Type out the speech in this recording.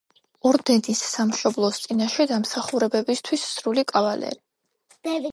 ორდენის „სამშობლოს წინაშე დამსახურებებისთვის“ სრული კავალერი.